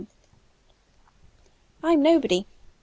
I. I'm nobody!